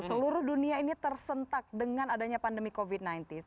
seluruh dunia ini tersentak dengan adanya pandemi covid sembilan belas